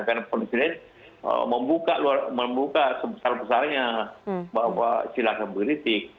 karena penelitian membuka sebesar besarnya bahwa silakan berkritik